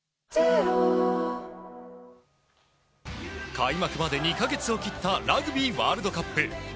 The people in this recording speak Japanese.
開幕まで２か月を切ったラグビーワールドカップ。